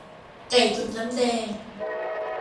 ไก่ตุ๋นน้ำแดง